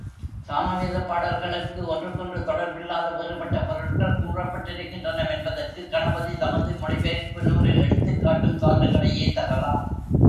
சாமவேதப் பாடல்களுக்கு ஒன்றுக்கொன்று தொடர்பில்லாத வேறுபட்ட பொருள்கள் கூறப்பட்டிருக்கின்றனவென்பதற்குக் கணபதி தமது மொழிபெயர்ப்பு நூலில் எடுத்துக்காட்டும் சான்றுகளையே தரலாம்.